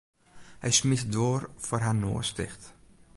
Hy smiet de doar foar har noas ticht.